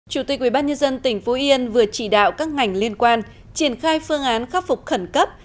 chủ tịch ubnd tỉnh phú yên vừa chỉ đạo các ngành liên quan triển khai phương án khắc phục khẩn cấp